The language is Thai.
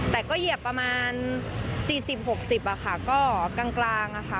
แต่ก็เหยียบประมาณสี่สิบหกสิบอ่ะค่ะก็กลางอ่ะค่ะ